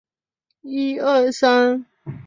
阿兰巴雷是巴西南大河州的一个市镇。